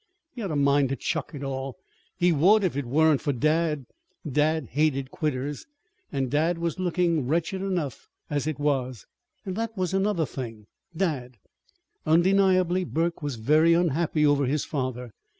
He had a mind to chuck it all. He would if it weren't for dad. Dad hated quitters. And dad was looking wretched enough, as it was. And that was another thing dad. Undeniably Burke was very unhappy over his father.